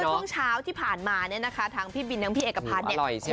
เมื่อทุ่งเช้าที่ผ่านมาเนี่ยนะคะทางพี่บิ๊นท์และพี่เอกพรรณเนี่ย